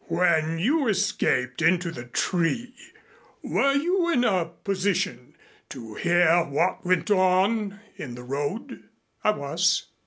"When you escaped into the tree, were you in a position to hear what went on in the road?" "I was."